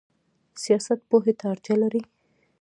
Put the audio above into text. سیاست پوهې ته اړتیا لري؟